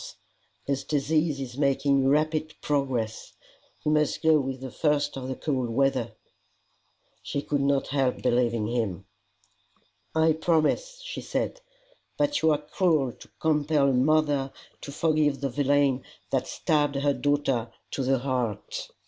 His disease is making rapid progress. He must go with the first of the cold weather." She could not help believing him. "I promise," she said. "But you are cruel to compel a mother to forgive the villain that stabbed her daughter to the heart."